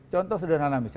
contoh sederhana misalnya